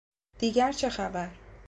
دیگر چه خبر؟